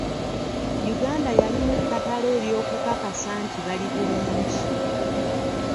Uganda yalina ekkatala ery'okukakasa nti bali bulungi.